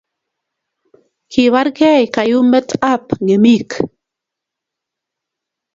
kibargei kayumetab ng'emik.